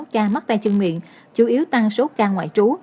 một một mươi sáu ca mắc tay chân miệng chủ yếu tăng số ca ngoại trú